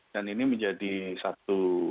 dan ini menjadi satu